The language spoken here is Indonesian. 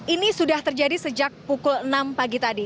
ini sudah terjadi sejak pukul enam pagi tadi